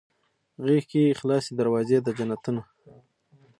غیږ کې یې خلاصې دروازې د جنتونه